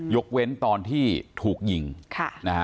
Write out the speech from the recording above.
ยกเว้นตอนที่ถูกยิงค่ะนะฮะ